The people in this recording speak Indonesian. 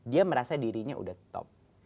dia merasa dirinya udah top